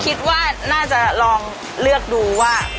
คิดว่าน่าจะลองเลือกดูว่า